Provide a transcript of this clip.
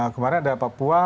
kemarin ada papua